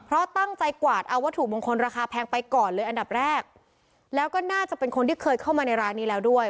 เพราะตั้งใจกวาดเอาวัตถุมงคลราคาแพงไปก่อนเลยอันดับแรกแล้วก็น่าจะเป็นคนที่เคยเข้ามาในร้านนี้แล้วด้วย